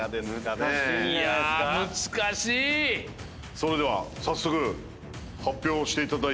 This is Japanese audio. それでは早速発表していただいても。